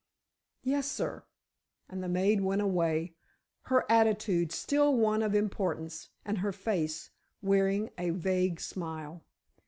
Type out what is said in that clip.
"Yes, sir," and the maid went away, her attitude still one of importance, and her face wearing a vague smile.